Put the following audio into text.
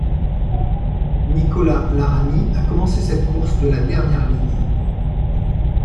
Nicola Larini a commencé cette course de la dernière ligne.